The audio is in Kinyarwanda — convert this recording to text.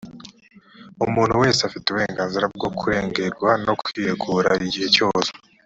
umuntu wese afite uburenganzira bwo kurengerwa no kwiregura igihe cyose